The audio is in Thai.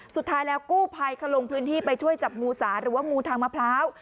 สุดท้ายแล้วกู้ภัยเขาลงพื้นที่ไปช่วยจับงูสาหรือว่างูทางมะพร้าว